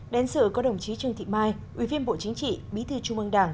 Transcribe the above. đến sự có đồng chí trương thị mai ubnd bí thư trung mương đảng